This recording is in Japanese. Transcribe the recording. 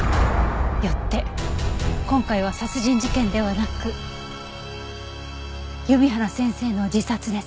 よって今回は殺人事件ではなく弓原先生の自殺です。